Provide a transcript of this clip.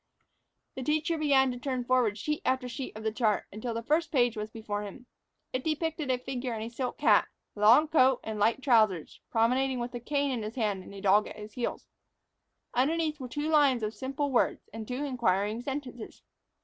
The teacher began to turn forward sheet after sheet of the chart, until the first page was before him. It depicted a figure in silk hat, long coat, and light trousers, promenading with a cane in his hand and a dog at his heels. Underneath were two lines of simple words, and two inquiring sentences.